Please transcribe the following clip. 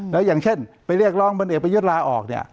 แล้วอย่างเช่นไปเรียกร้องบนเอกประยุทธ์ลาออกเนี่ย